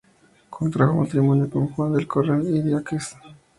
Contrajo matrimonio con Juan del Corral e Idiáquez.